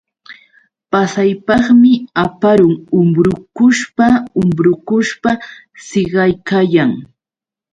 Pasaypaqmi aparun umbrukushpa umbrukushpa siqaykayan.